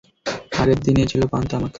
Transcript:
আগের দিনে ছিল পান, তামাক।